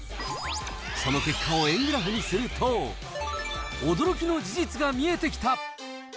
その結果を円グラフにすると、驚きの事実が見えてきた。